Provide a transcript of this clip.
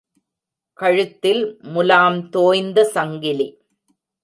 கழுத்தில் முலாம் தோய்ந்த சங்கிலி.